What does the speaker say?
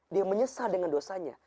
dia menyesal dengan dosanya